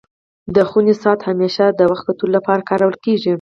د خوني ساعت همېشه د وخت کتلو لپاره کارول کيږي.